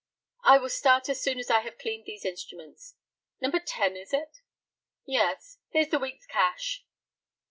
"I will start as soon as I have cleaned these instruments. No. 10, is it?" "Yes. Here's the week's cash."